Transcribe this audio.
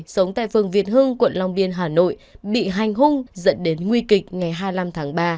sống tại phường việt hưng quận long biên hà nội bị hành hung dẫn đến nguy kịch ngày hai mươi năm tháng ba